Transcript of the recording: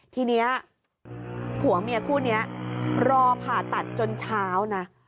ทีนี้ผัวเมียคู่นี้รอผ่าตัดจนเช้านะ